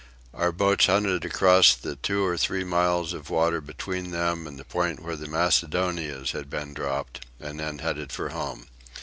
Our boats hunted across the two or three miles of water between them and the point where the Macedonia's had been dropped, and then headed for home.